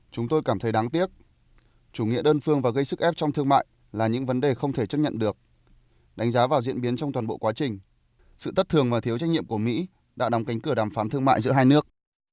chúng tôi cảm thấy đáng tiếc chủ nghĩa đơn phương và gây sức ép trong thương mại là những vấn đề không thể chấp nhận được đánh giá vào diễn biến trong toàn bộ quá trình sự tất thường và thiếu trách nhiệm của mỹ đã đóng cánh cửa đàm phán thương mại giữa hai nước